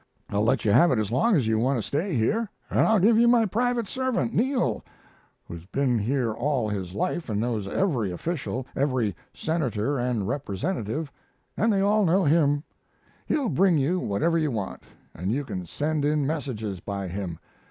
I'll let you have it as long as you want to stay here, and I'll give you my private servant, Neal, who's been here all his life and knows every official, every Senator and Representative, and they all know him. He'll bring you whatever you want, and you can send in messages by him.